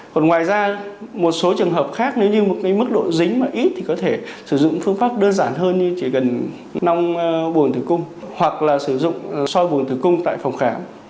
còn ngoài ra một số trường hợp khác nếu như một cái mức độ dính mà ít thì có thể sử dụng phương pháp đơn giản hơn như chỉ cần nong buồn tử cung hoặc là sử dụng soi vùng tử cung tại phòng khám